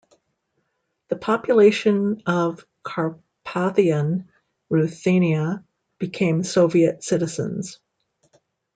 The population of Carpathian Ruthenia became Soviet citizens.